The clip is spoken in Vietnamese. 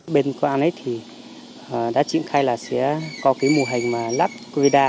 bên công an đã triển khai là sẽ có cái mùa hành mà lắp covid một mươi chín